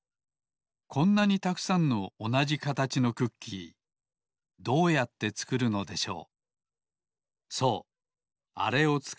こんなにたくさんのおなじかたちのクッキーどうやってつくるのでしょう。